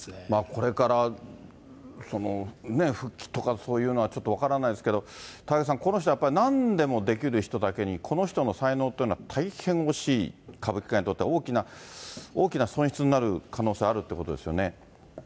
これから復帰とか、そういうのはちょっと分からないですけど、高木さん、この人はやっぱり、なんでもできる人だけに、この人の才能というのは、大変惜しい、歌舞伎界にとって大きな、大きな損失になる可能性があるということですよね。